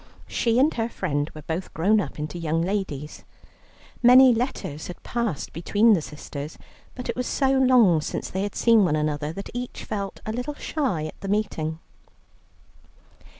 She and her friend were both grown up into young ladies. Many letters had passed between the sisters, but it was so long since they had seen one another that each felt a little shy at the meeting.